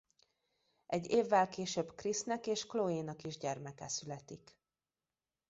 Egy évvel később Chrisnek és Cloénak is gyermeke születik.